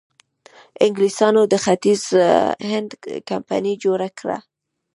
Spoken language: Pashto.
انګلیسانو د ختیځ هند کمپنۍ جوړه کړه.